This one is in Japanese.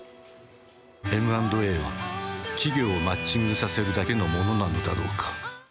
Ｍ＆Ａは企業マッチングさせるだけのものなのだろうか。